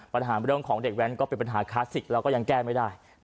ปัญหาเรื่องของเด็กแว้นก็เป็นปัญหาคลาสสิกแล้วก็ยังแก้ไม่ได้